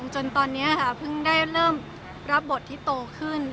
จนตอนนี้ค่ะเพิ่งได้เริ่มรับบทที่โตขึ้น